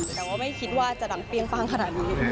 แต่ว่าไม่คิดว่าจะดังเปรี้ยงป้างขนาดนี้